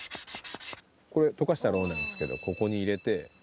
これ、溶かしたロウなんですけど、ここに入れて。